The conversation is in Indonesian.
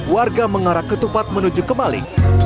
warga mengarah ketupat menuju kemali